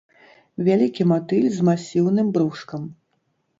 Вялікі матыль з масіўным брушкам.